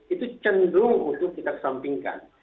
itu cenderung untuk kita kesampingkan